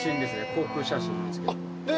航空写真ですけど。